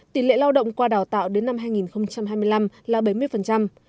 tỷ lệ lao động qua đào tạo đến năm hai nghìn hai mươi năm là bảy mươi